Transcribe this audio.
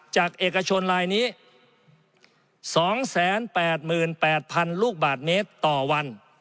จากเอกชนลายนี้สองแสนแปดหมื่นแปดพันลูกบาทเมตรต่อวัน